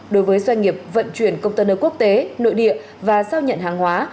đối với doanh nghiệp vận chuyển công tân ở quốc tế nội địa và sau nhận hàng hóa